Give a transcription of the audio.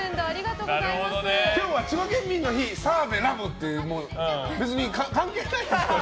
今日は千葉県民の日澤部ラブって別に関係ないですけど。